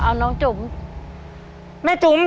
เอาน้องจุ๋ม